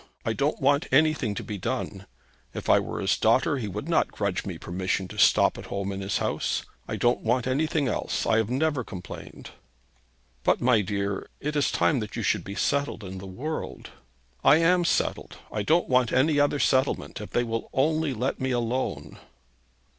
I don't want anything to be done. If I were his daughter he would not grudge me permission to stop at home in his house. I don't want anything else. I have never complained.' 'But, my dear, it is time that you should be settled in the world.' 'I am settled. I don't want any other settlement, if they will only let me alone.'